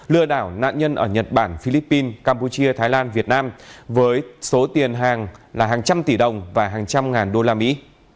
lừa đảo nạn nhân ở nhật bản philippines campuchia thái lan việt nam với số tiền hàng là hàng trăm tỷ đồng và hàng trăm ngàn đô la mỹ